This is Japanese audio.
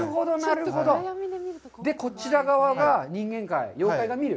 こちら側が人間界、妖怪が見る。